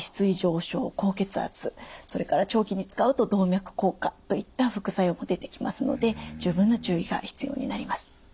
それから長期に使うと動脈硬化といった副作用も出てきますので十分な注意が必要になります。